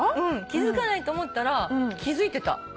気付かないと思ったら気付いてた。